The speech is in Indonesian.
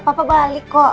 papa balik kok